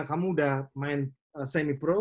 kamu udah main semi pro